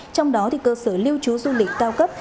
trong đó cơ sở lưu trú du lịch cao cấp